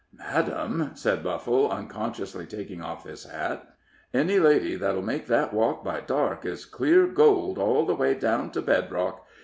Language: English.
"Madame," said Buffle, unconsciously taking off his hat, "any lady that'll make that walk by dark is clear gold all the way down to bed rock.